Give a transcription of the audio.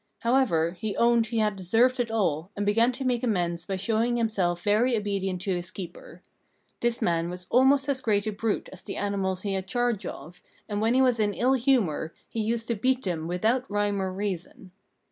However, he owned he had deserved it all, and began to make amends by showing himself very obedient to his keeper. This man was almost as great a brute as the animals he had charge of, and when he was in ill humour he used to beat them without rhyme or reason.